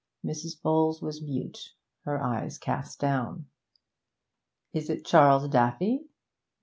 Mrs. Bowles was mute, her eyes cast down. 'Is it Charles Daffy?'